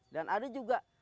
dan ada juga